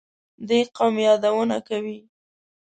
دې قوم یادونه کوي.